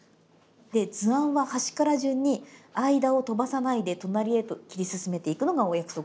で図案は端から順に間を飛ばさないで隣へと切り進めていくのがお約束です。